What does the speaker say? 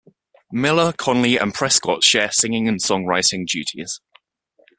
Miller, Conley and Prescott share singing and songwriting duties.